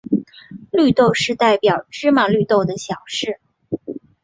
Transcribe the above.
绿豆是代表芝麻绿豆的小事。